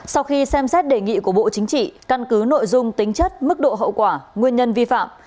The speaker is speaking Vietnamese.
sau khi xem xét đề nghị của bộ chính trị căn cứ nội dung tính chất mức độ hậu quả nguyên nhân vi phạm